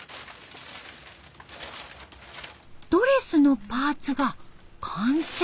ドレスのパーツが完成。